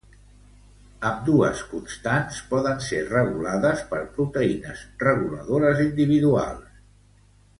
Ambdues constants poden ser regulades per proteïnes reguladores individuals.